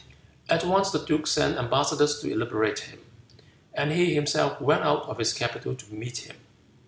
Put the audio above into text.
At once the duke sent ambassadors to liberate him, and he himself went out of his capital to meet him.